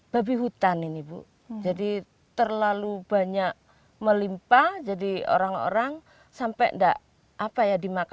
babi hutan ini bu jadi terlalu banyak melimpa jadi orang orang sampai ndak apa ya dimakan